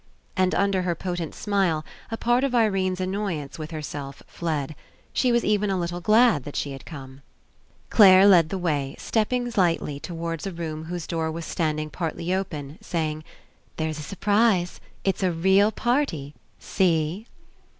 And under her potent smile a part of Irene's annoyance with herself fled. She was even a little glad that she had come. Clare led the way, stepping lightly, to wards a room whose door was standing partly open, saying: "There's a surprise. It's a real party. See."